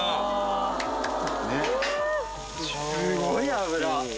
すごい脂。